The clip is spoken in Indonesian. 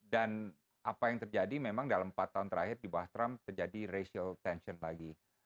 dan apa yang terjadi memang dalam empat tahun terakhir di bawah trump terjadi racial tension lagi